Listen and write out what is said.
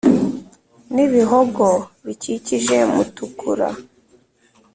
n'ibihogo bikikije mutukura,